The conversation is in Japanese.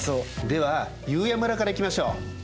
では悠也村からいきましょう。